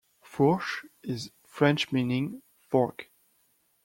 "Fourche" is French meaning "fork".